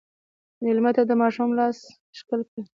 مېلمه ته د ماشوم لاس هم ښکل کړه.